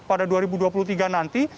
pada dua ribu dua puluh tiga nanti